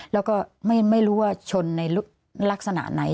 แล้วก็ไม่รู้ว่าชนในลักษณะไหน